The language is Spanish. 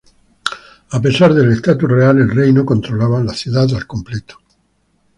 A pesar del estatus real, el rey no controlaba la ciudad al completo.